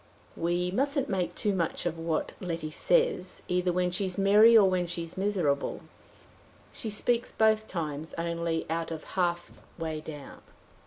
"We mustn't make too much of what Letty says, either when she's merry or when she's miserable. She speaks both times only out of half way down."